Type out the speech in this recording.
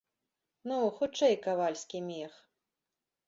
Ну, хутчэй, кавальскі мех.